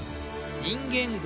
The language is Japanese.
人間